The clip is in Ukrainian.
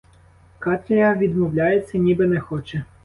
Катря відмовляється, ніби не хоче.